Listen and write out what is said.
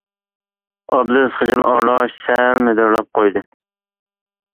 ئابلىز خىجىل ئارىلاش سەل مىدىرلاپ قويدى.